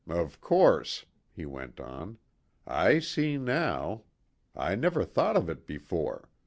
Of course," he went on. "I see now. I never thought of it before.